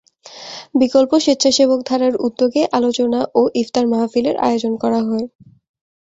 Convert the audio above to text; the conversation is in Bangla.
বিকল্প স্বেচ্ছাসেবকধারার উদ্যোগে এ আলোচনা ও ইফতার মাহফিলের আয়োজন করা হয়।